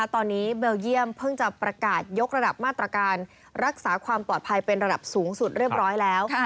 ตอนนี้เบลเยี่ยมเพิ่งจะประกาศยกระดับมาตรการรักษาความปลอดภัยเป็นระดับสูงสุดเรียบร้อยแล้ว